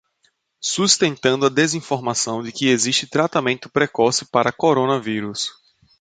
Sustentando a desinformação de que existe tratamento precoce para coronavírus